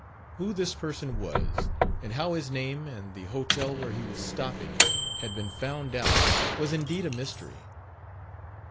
Who this person was, and how his name and the hotel where he was stopping had been found out, was indeed a mystery.